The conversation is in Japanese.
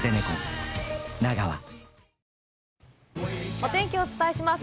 お天気をお伝えします。